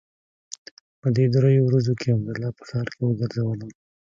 په دې درېو ورځو کښې عبدالله په ښار کښې وګرځولم.